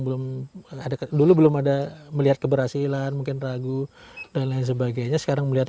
belum ada dulu belum ada melihat keberhasilan mungkin ragu dan lain sebagainya sekarang melihat